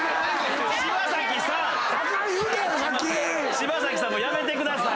柴咲さんもやめてください！